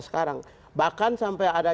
sekarang bahkan sampai ada